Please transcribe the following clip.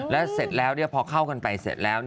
แล้วเสร็จแล้วพอเข้ากันไปเสร็จแล้ว